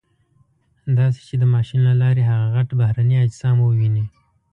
داسې چې د ماشین له لارې هغه غټ بهرني اجسام وویني.